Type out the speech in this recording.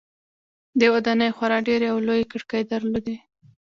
دې ودانیو خورا ډیرې او لویې کړکۍ درلودې.